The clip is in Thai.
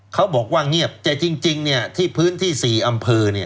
เขาบอกว่าเงียบแต่จริงที่พื้นที่๔อำเภอ